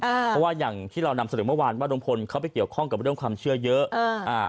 เพราะว่าอย่างที่เรานำเสนอเมื่อวานว่าลุงพลเขาไปเกี่ยวข้องกับเรื่องความเชื่อเยอะอ่าอ่า